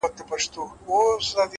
مثبت بدلون کوچني پیلونه لري’